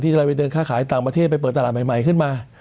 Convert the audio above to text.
เราไปเดินค่าขายต่างประเทศไปเปิดตลาดใหม่ขึ้นมา